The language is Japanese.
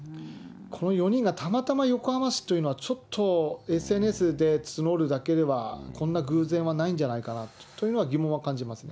この４人がたまたま横浜市というのは、ちょっとＳＮＳで募るだけでは、こんな偶然はないんじゃないかなというのは疑問は感じますね。